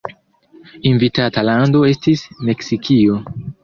Invitata lando estis Meksikio.